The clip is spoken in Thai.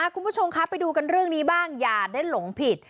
คุณผู้ชมคะไปดูกันเรื่องนี้บ้างอย่าได้หลงผิด